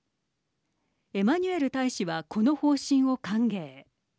エマニュエル大使はこの方針を歓迎。